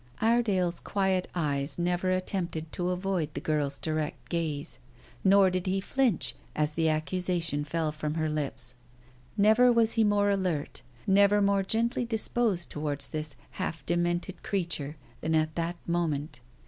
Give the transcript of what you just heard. Iredale's quiet eyes never attempted to avoid the girl's direct gaze, nor did he flinch as the accusation fell from her lips. Never was he more alert, never more gently disposed towards this half demented creature than at that moment.